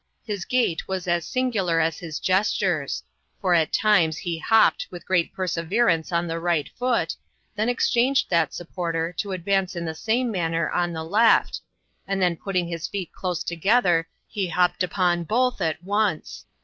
His gait was as singular as his gestures, for at times he hopped with great perseverance on the right foot, then exchanged that supporter to advance in the same manner on the left, and then putting his feet close together he hopped upon both at once.